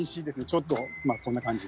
ちょっとこんな感じ。